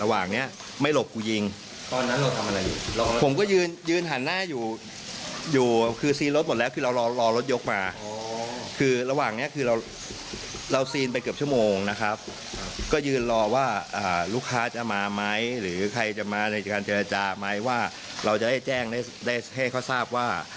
ว่าเราจะได้แจ้งให้เขาทราบว่า